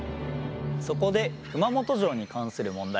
そこで熊本城に関する問題。